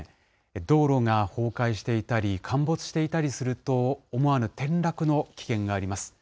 道路が崩壊していたり、陥没していたりすると、思わぬ転落の危険があります。